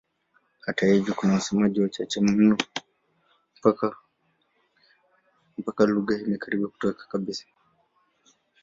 Hata hivyo kuna wasemaji wachache mno mpaka lugha imekaribia kutoweka kabisa.